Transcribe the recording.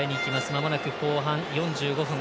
まもなく後半４５分。